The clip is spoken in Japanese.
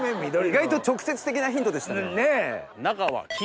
意外と直接的なヒントでしたね。